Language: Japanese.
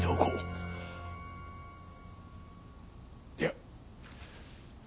いや。